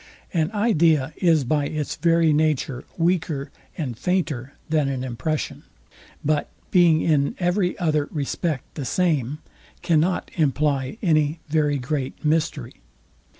An idea is by its very nature weaker and fainter than an impression; but being in every other respect the same, cannot imply any very great mystery.